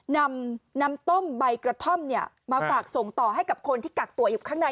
นำน้ำต้มใบกระท่อมมาฝากส่งต่อให้กับคนที่กักตัวอยู่ข้างใน